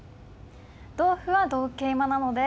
同歩は同桂馬なので。